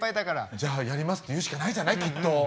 「じゃあやります」って言うしかないじゃないきっと。